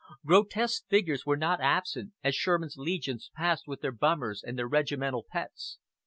Grotesque figures were not absent, as Sherman's legions passed with their "bummers" and their regimental pets.